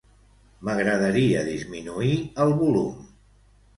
M'agradaria disminuir el volum.